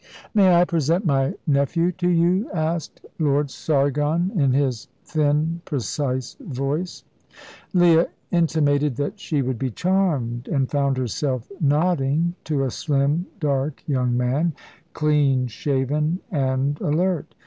"May I present my nephew to you?" asked Lord Sargon, in his thin, precise voice. Leah intimated that she would be charmed, and found herself nodding to a slim, dark young man, clean shaven and alert.